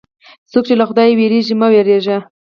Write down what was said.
څوک چې له خدایه وېرېږي، مه وېرېږه.